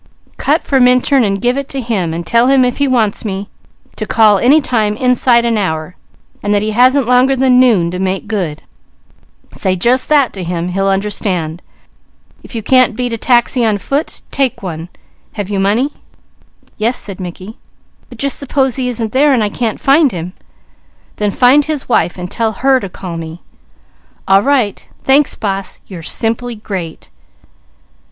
Cut for Minturn and give it to him. Tell him if he wants me, to call any time inside an hour, and that he hasn't longer than noon to make good. He'll understand. If you can't beat a taxi on foot, take one. Have you money?" "Yes," said Mickey, "but just suppose he isn't there and I can't find him?" "Then find his wife, and tell her to call me." "All right! Thanks, boss! You're simply great!"